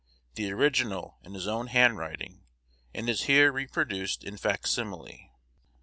The original is in his own handwriting, and is here reproduced in fac simile.